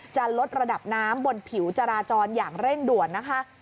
จะลดระดับน้ำบนผิวจราจรอย่างเร่งด่วนนะคะ